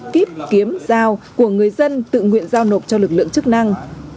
kíp kiếm giao của người dân tự nguyện giao nộp cho lực lượng chức năng